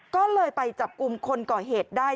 ก็เลยไปจับกลุ่มคนก่อเหตุได้